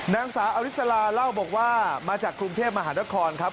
นางสาวอริสลาเล่าบอกว่ามาจากกรุงเทพมหานครครับ